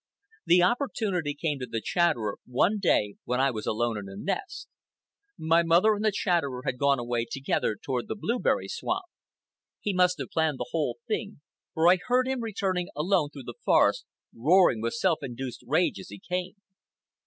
The opportunity came to the Chatterer one day when I was alone in the nest. My mother and the Chatterer had gone away together toward the blueberry swamp. He must have planned the whole thing, for I heard him returning alone through the forest, roaring with self induced rage as he came.